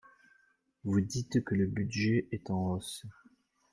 Vous dites que le budget est en hausse.